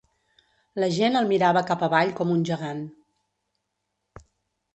L'agent el mirava cap avall com un gegant.